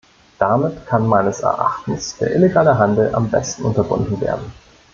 Damit kann meines Erachtens der illegale Handel am besten unterbunden werden.